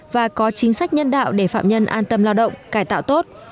và có chính sách nhân đạo để phạm nhân an tâm lao động cải tạo tốt